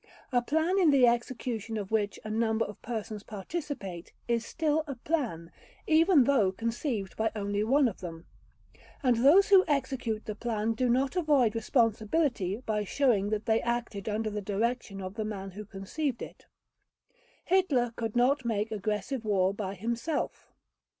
A plan in the execution of which a number of persons participate is still a plan, even though conceived by only one of them; and those who execute the plan do not avoid responsibility by showing that they acted under the direction of the man who conceived it. Hitler could not make aggressive war by himself.